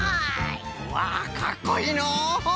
わあかっこいいのう。